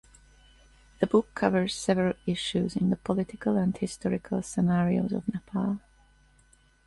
The book covers several issues in the political and historical scenarios of Nepal.